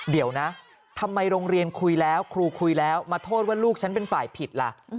เดี๋ยวนะทำไมโรงเรียนคุยแล้วครูคุยแล้วมาโทษว่าลูกฉันเป็นฝ่ายผิดล่ะ